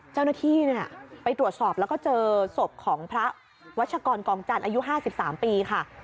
เจ้าหน้าที่ไปตรวจสอบแล้วก็เจอศพของพระวัชกรกองจันทร์อายุ๕๓ปีค่ะ